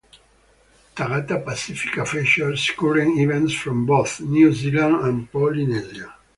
Tagata Pasifika features current events from both New Zealand and Polynesia.